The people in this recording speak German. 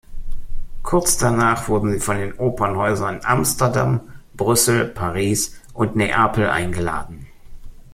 Kurz danach wurde sie von den Opernhäusern Amsterdam, Brüssel, Paris und Neapel eingeladen.